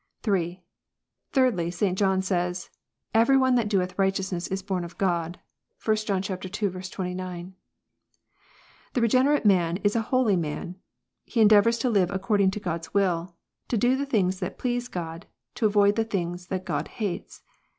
(3) Thirdly, St. John says, " Every one that doeth righteous ness is born of God." (1 John ii. 29.) fU The regenerate man is a holy man. He endeavours to live Jh according to God s will, to do the things that please God, to ^ avoid the things that God hates.